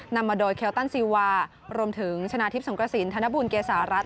นำมาโดยเคลตันซีวารวมถึงชนะทิพย์สงกระสินธนบุญเกษารัฐ